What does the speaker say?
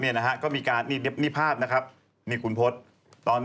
นี่นะครับก็มีการนี่ภาพนะครับนี่คุณพจน์